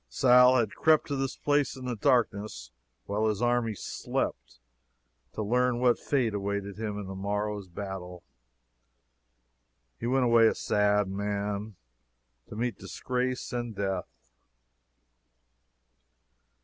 Saul had crept to this place in the darkness, while his army slept, to learn what fate awaited him in the morrow's battle. He went away a sad man, to meet disgrace and death.